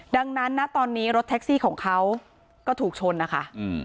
ดังนั้นนะตอนนี้รถแท็กซี่ของเขาก็ถูกชนนะคะ